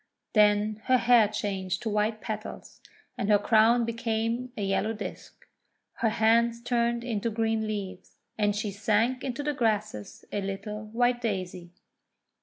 Then her hair changed to white petals, and her crown became a yellow disk; her hands turned into green leaves; and she sank into the grasses a little white Daisy!